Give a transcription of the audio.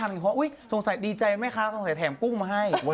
เขาบอกเยอะแล้วตัวมันก็ใหญ่ใช่ไหมคะ